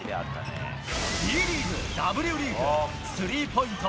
Ｂリーグ、Ｗリーグ、スリーポイント